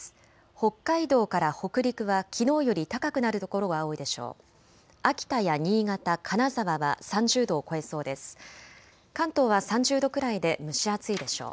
北海道から北陸はきのうより高くなる所が多いでしょう。